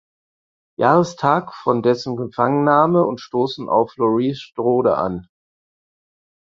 Jahrestag von dessen Gefangennahme und stoßen auf Laurie Strode an.